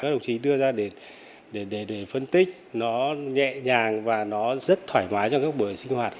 các đồng chí đưa ra để phân tích nó nhẹ nhàng và nó rất thoải mái cho các buổi sinh hoạt